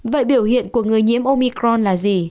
vậy biểu hiện của người nhiễm omicron là gì